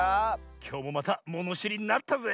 きょうもまたものしりになったぜ！